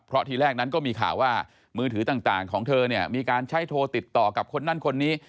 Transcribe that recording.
เพราะทีแรกนั้นก็มีข่าวว่ามือถือต่างของเธอเนี่ยมีการใช้โทรติดต่อกับคนนั้นคนนี้